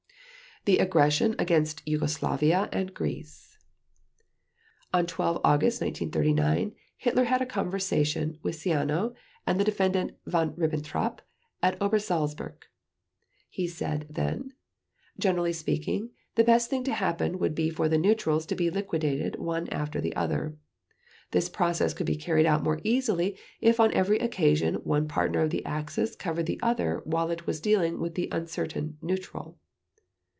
The Aggression against Yugoslavia and Greece On 12 August 1939 Hitler had a conversation with Ciano and the Defendant Von Ribbentrop at Obersalzberg. He said then: "Generally speaking, the best thing to happen would be for the neutrals to be liquidated one after the other. This process could be carried out more easily if on every occasion one partner of the Axis covered the other while it was dealing with the uncertain neutral.